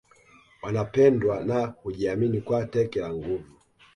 Wanapendwa na hujihami kwa teke la nguvu